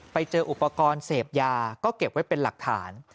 ไปเจออุปกรณ์เสพยาก็เก็บไว้เป็นหลักฐาน